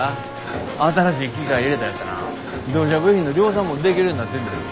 新しい機械入れたよってな自動車部品の量産もできるようになってんで。